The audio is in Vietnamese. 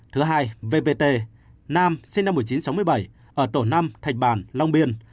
thứ hai vpt nam sinh năm một nghìn chín trăm sáu mươi bảy ở tổ năm thạch bàn long biên